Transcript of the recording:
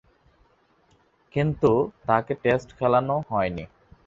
কিন্তু, তাকে টেস্ট খেলানো হয়নি।